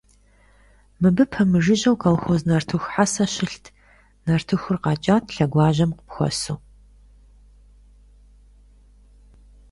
Мыбы пэмыжыжьэу колхоз нартыху хьэсэ щылът, нартыхур къэкӏат лъэгуажьэм къыпхуэсу.